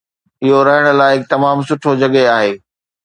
اهو رهڻ لاء هڪ تمام سٺو جڳهه آهي